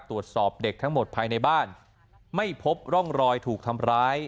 ตรวจสอบเด็กทั้งหมดภายในบ้านไม่พบร่องรอยถูกทำร้าย